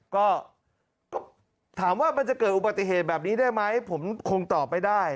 ก็ถามว่ามันจะเกิดอุบัติเหตุแบบนี้ได้ไหมผมคงตอบไม่ได้